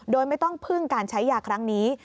โดยไม่ต้องพึ่งการใช้ยาครั้งนี้